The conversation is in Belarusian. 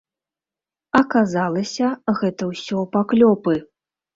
Аказалася, гэта ўсё паклёпы.